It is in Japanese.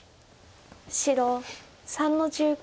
白３の十九。